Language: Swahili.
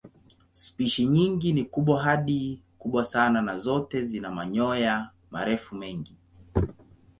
Spishi nyingi ni kubwa hadi kubwa sana na zote zina manyoya marefu mengi.